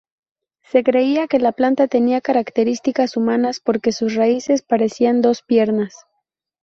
Se creía que la planta tenía características humanas porque sus raíces parecían dos piernas.